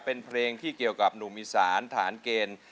เป็นเพลงที่เกี่ยวกับหนุ่มอีสานฐานเกณฑ์